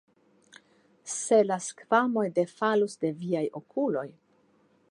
Se la skvamoj defalus de viaj okuloj!